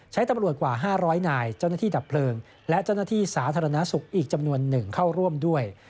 ตำรวจกว่า๕๐๐นายเจ้าหน้าที่ดับเพลิงและเจ้าหน้าที่สาธารณสุขอีกจำนวนหนึ่งเข้าร่วมด้วย